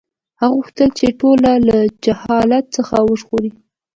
هغه غوښتل چې ټولنه له جهالت څخه وژغوري.